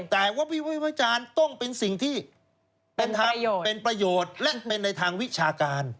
แต่ว่าวิภาควิจารณ์ต้องเป็นสิ่งที่เป็นประโยชน์และเป็นในทางวิชาการ